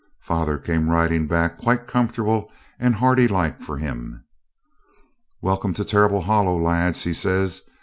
Father came riding back quite comfortable and hearty like for him. 'Welcome to Terrible Hollow, lads,' says he.